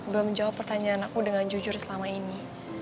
belum jawab pertanyaan aku dengan jujur selama ini